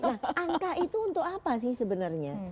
nah angka itu untuk apa sih sebenarnya